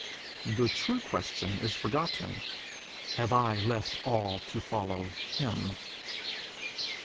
the true question is forgotten: 'Have I left all to follow him?'